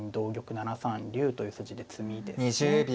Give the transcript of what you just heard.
７三竜という筋で詰みですね。